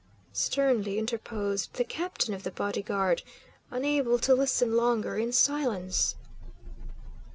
sternly interposed the captain of the body guard, unable to listen longer in silence.